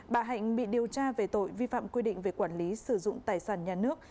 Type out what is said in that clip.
bà hạnh bị điều tra về tội vi phạm quy định về quản lý sử dụng tài sản nhà nước